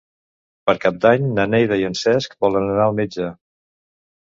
Per Cap d'Any na Neida i en Cesc volen anar al metge.